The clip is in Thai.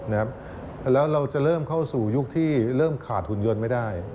แล้วเราจะเริ่มเข้าสู่ยุคที่เริ่มขาดหุ่นยนต์ไม่ได้